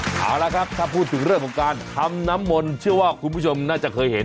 เอาละครับถ้าพูดถึงเรื่องของการทำน้ำมนต์เชื่อว่าคุณผู้ชมน่าจะเคยเห็น